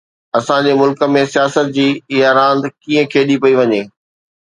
اسان جي ملڪ ۾ سياست جي اها راند ڪيئن کيڏي پئي وڃي؟